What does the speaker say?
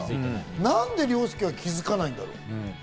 なんで凌介は気づかないんだろ？